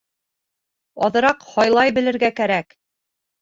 Аҙыраҡ һайлай белергә кәрәк!..